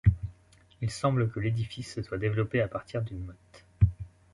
Il semble que l'édifice se soit développé à partir d'une motte.